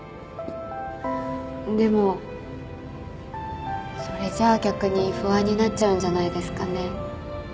でもそれじゃあ逆に不安になっちゃうんじゃないですかね？